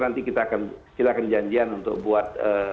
nanti kita akan jandian untuk buat